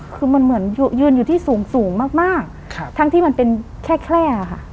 คือมันเหมือนยืนอยู่ที่สูงสูงมากมากครับทั้งที่มันเป็นแคลร์ค่ะอืม